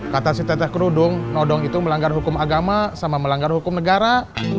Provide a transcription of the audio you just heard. kata si teteh kerudung nodong itu melanggar hukum agama sama melanggar hukum negara